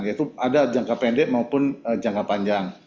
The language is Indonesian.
yaitu ada jangka pendek maupun jangka panjang